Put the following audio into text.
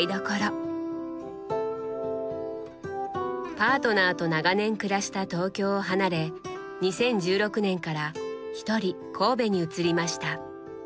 パートナーと長年暮らした東京を離れ２０１６年からひとり神戸に移りました。